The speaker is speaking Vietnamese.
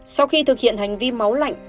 sau khi thực hiện hành vi máu lạnh